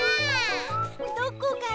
どこかな？